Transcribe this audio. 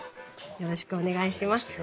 よろしくお願いします。